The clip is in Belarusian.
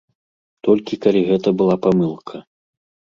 Толькі калі гэта была памылка.